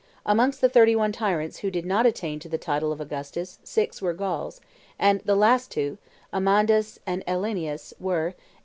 Amongst the thirty one tyrants who did not attain to the title of Augustus, six were Gauls; and the last two, Amandus and AElianus, were, A.